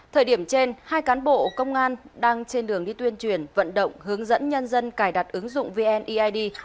thời điểm trên hai cán bộ công an đang trên đường đi tuyên truyền vận động hướng dẫn nhân dân cài đặt ứng dụng vneid